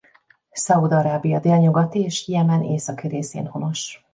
Szaúd-Arábia délnyugati és Jemen északi részén honos.